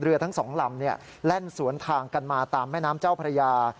ทั้งสองลำแล่นสวนทางกันมาตามแม่น้ำเจ้าพระยา